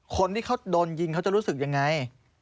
คนที่เขาโดนยิงเขาจะรู้สึกยังไง